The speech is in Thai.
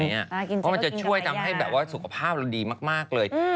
กินเจดก็กินก็ยากเพราะมันจะช่วยทำให้สุขภาพเราดีมากเลย